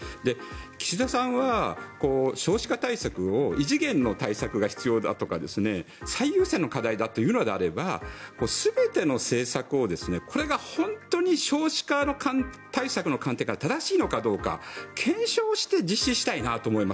岸田さんは少子化対策を異次元の対策が必要だとか最優先の課題だと言うのであれば全ての政策をこれが本当に少子化対策の観点から正しいのかどうか検証して実施したいなと思います。